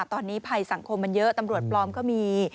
ตอนนี้ภัยสังคมมันเยอะตำรวจปลอมก็มี